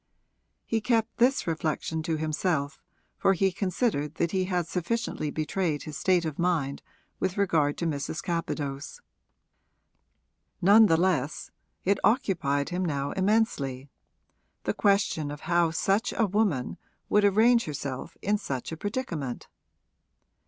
He kept this reflection to himself, for he considered that he had sufficiently betrayed his state of mind with regard to Mrs. Capadose. None the less it occupied him now immensely, the question of how such a woman would arrange herself in such a predicament.